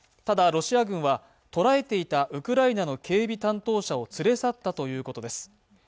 ただロシア軍は捉えていたウクライナの警備担当者を連れ去ったということです